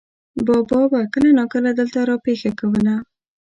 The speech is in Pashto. بابا به کله ناکله دلته را پېښه کوله.